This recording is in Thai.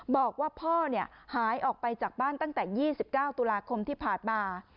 บอกว่าพ่อหายออกไปจากบ้านตั้งแต่๒๙ตุลาคมที่ผ่านมา